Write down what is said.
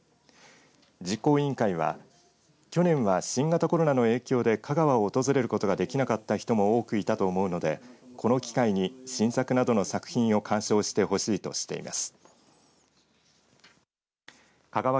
実行委員会は去年は新型コロナの影響で香川を訪れることができなかった人も多くいたと思うのでこの機会に新作などの作品を鑑賞してほしいとしています。